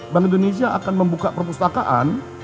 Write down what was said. bank indonesia akan membuka perpustakaan